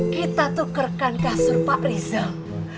kita tukerkan kasur pak rizal